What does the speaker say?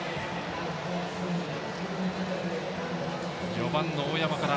４番の大山から。